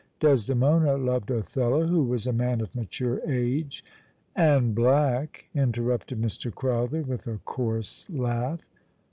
Desde mona loved Othello, who was a man of mature age " "And black," interrupted Mr. Crowther, with a coarse laugh.